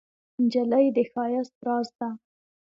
نجلۍ د ښایست راز ده.